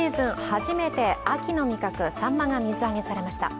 初めて秋の味覚さんまが水揚げされました。